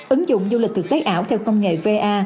ứng dụng du lịch thực tế ảo theo công nghệ va